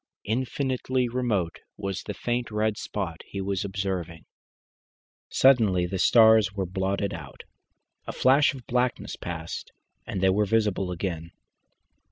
Infinitely remote was the faint red spot he was observing. Suddenly the stars were blotted out. A flash of blackness passed, and they were visible again.